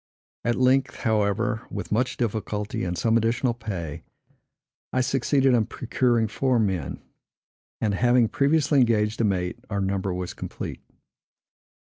At length, however, with much difficulty, and some additional pay, I succeeded in procuring four men; and, having previously engaged a mate, our number was complete.